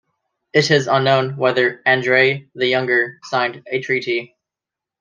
It is unknown whether Andrei the Younger signed a treaty.